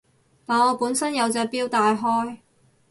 但我本身有隻錶戴開